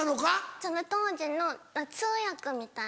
その当時の通訳みたいな。